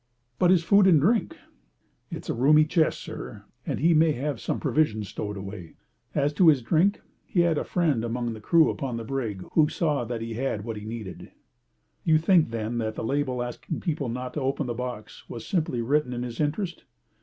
"But his food and drink?" "It's a roomy chest, sir, and he may have some provisions stowed away. As to his drink, he had a friend among the crew upon the brig who saw that he had what he needed." "You think, then, that the label asking people not to open the box was simply written in his interest?"